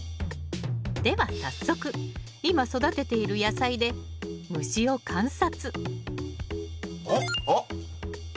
では早速今育てている野菜で虫を観察あっあっ。